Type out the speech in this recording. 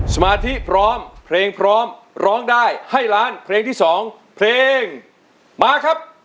สมาธิพร้อมเพลงพร้อมร้องได้ให้ล้านเพลงที่๒เพลงมาครับ